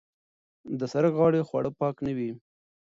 د سرک غاړې خواړه پاک نه وي.